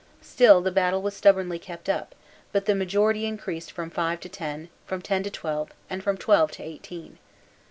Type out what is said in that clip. Still the battle was stubbornly kept up; but the majority increased from five to ten, from ten to twelve, and from twelve to eighteen.